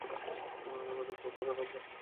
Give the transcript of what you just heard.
যোগাযোগ রাখব কেন আমরা?